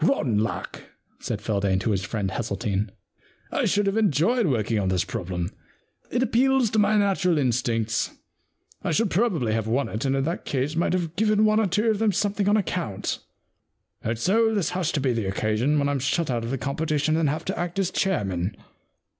* Rotten luck,* said Feldane, to his friend, Hesseltine. * I should have enjoyed working on this problem. It appeals to my natural instincts. I should probably have won it, and in that case might have given one or two of them something on account. And so this has to be the occasion when I'm shut out of the competition and have to act as chairman.'